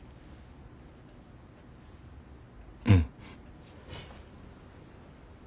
うん。